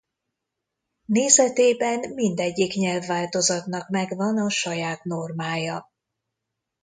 Nézetében mindegyik nyelvváltozatnak megvan a saját normája.